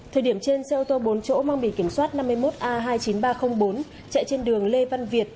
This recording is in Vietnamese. thời điểm trên xe ô tô bốn chỗ mang bì kiểm soát năm mươi một a hai mươi chín nghìn ba trăm linh bốn chạy trên đường lê văn việt